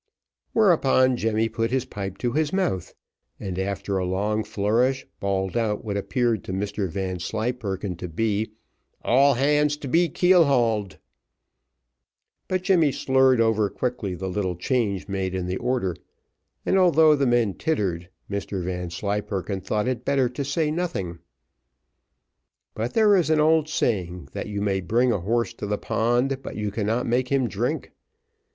Whereupon Jemmy put his pipe to his mouth, and after a long flourish, bawled out what appeared to Mr Vanslyperken to be all hands to be heel hauled; but Jemmy slurred over quickly the little change made in the order, and, although the men tittered, Mr Vanslyperken thought it better to say nothing. But there is an old saying, that you may bring a horse to the pond, but you cannot make him drink.